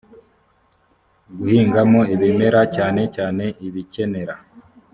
guhingamo ibimera cyane cyane ibikenera